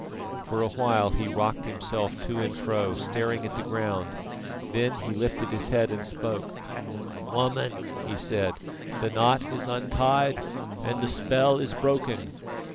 For a while he rocked himself to and fro, staring at the ground, then he lifted his head and spoke: "Woman," he said, "the knot is untied and the spell is broken.